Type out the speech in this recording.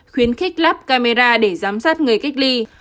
khuyến khích lắp camera để giám sát người cách ly